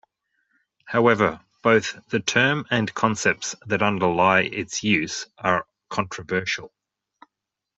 However both the term and concepts that underlie its use are controversial.